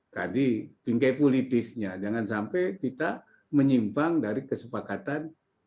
jadi bingkai politisnya jangan sampai kita menyimpang dari kesepakatan